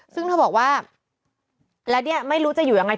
ซึ่งเธอบอกว่าและเนี่ยไม่รู้จะอยู่ยังไง